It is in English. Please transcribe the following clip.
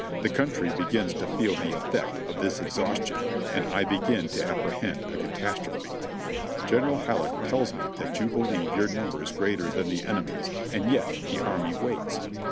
The country begins to feel the effect of this exhaustion and I begin to apprehend a catastrophe. "General Halleck tells me that you believe your numbers great er than the enemy's and yet the army waits.